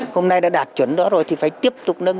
hôm nay đã đạt chuẩn đó rồi thì phải tiếp tục nâng